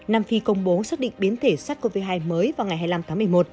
nam phi công bố xác định biến thể sars cov hai mới vào ngày hai mươi năm tháng một mươi một